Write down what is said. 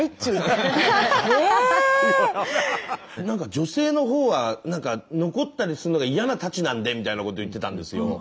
女性のほうはなんか残ったりするのが嫌なたちなんでみたいなこと言ってたんですよ。